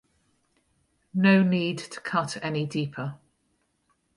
No need to cut any deeper.